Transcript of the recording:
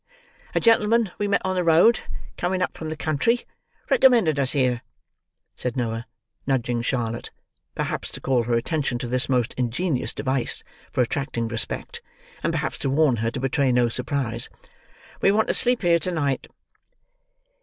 "A gentleman we met on the road, coming up from the country, recommended us here," said Noah, nudging Charlotte, perhaps to call her attention to this most ingenious device for attracting respect, and perhaps to warn her to betray no surprise. "We want to sleep here to night."